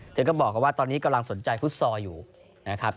เธอก็บอกว่าตอนนี้กำลังสนใจฟุตซอลอยู่นะครับ